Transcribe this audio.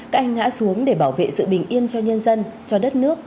các anh ngã xuống để bảo vệ sự bình yên cho nhân dân cho đất nước